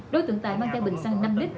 đối tượng tài mang theo bình xăng năm lít